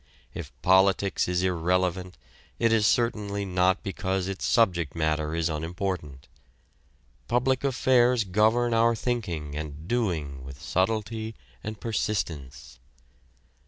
If politics is irrelevant, it is certainly not because its subject matter is unimportant. Public affairs govern our thinking and doing with subtlety and persistence.